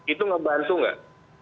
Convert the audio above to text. itu ngebantu gak